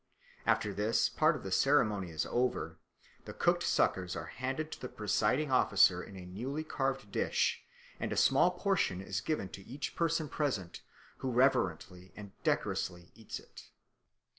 After this part of the ceremony is over the cooked suckers are handed to the presiding officer in a newly carved dish, and a small portion is given to each person present, who reverently and decorously eats it.